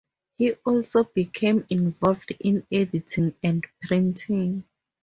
He also became involved in editing and printing.